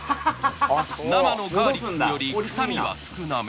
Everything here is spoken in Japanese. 生のガーリックより臭みは少なめ。